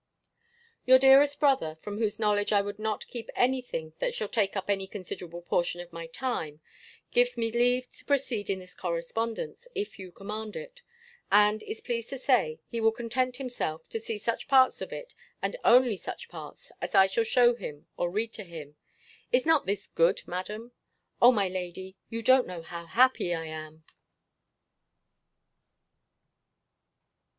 B. Your dearest brother, from whose knowledge I would not keep any thing that shall take up any considerable portion of my time, gives me leave to proceed in this correspondence, if you command it; and is pleased to say, he will content himself to see such parts of it, and only such parts, as I shall shew him, or read to him. Is not this very good, Madam? O, my lady, you don't know how happy I am!